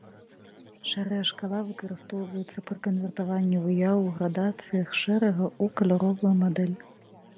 Шэрая шкала выкарыстоўваецца пры канвертаванні выяў у градацыях шэрага ў каляровую мадэль.